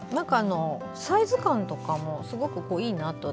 サイズ感とかもすごくいいなって